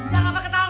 jangan pakai tongkat